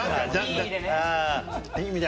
いい意味で。